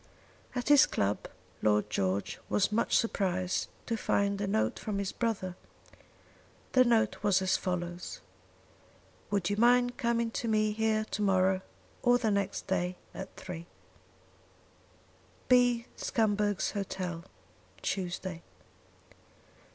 At his club Lord George was much surprised to find a note from his brother. The note was as follows: "Would you mind coming to me here to morrow or the next day at 3. "B. Scumberg's Hotel, Tuesday."